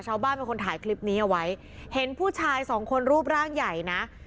ชาวบ้านเป็นคนถ่ายคลิปนี้เอาไว้เห็นผู้ชายสองคนรูปร่างใหญ่นะ